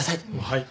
はい。